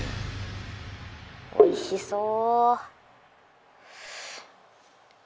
おいしそう。